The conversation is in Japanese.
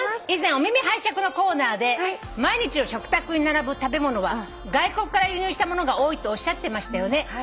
以前『お耳拝借』のコーナーで毎日の食卓に並ぶ食べ物は外国から輸入したものが多いとおっしゃってましたよね」